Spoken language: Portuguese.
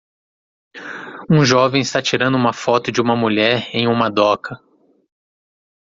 Um jovem está tirando uma foto de uma mulher em uma doca.